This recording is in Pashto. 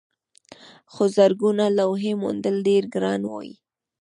خو زرګونه لوحې موندل ډېر ګران وي.